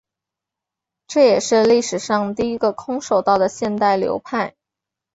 这也是历史上第一个空手道的现代流派。